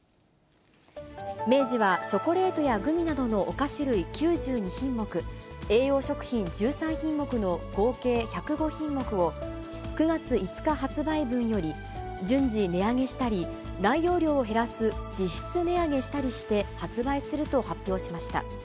明治はチョコレートやグミなどのお菓子類９２品目、栄養食品１３品目の合計１０５品目を、９月５日発売分より、順次、値上げしたり、内容量を減らす実質値上げしたりして、発売すると発表しました。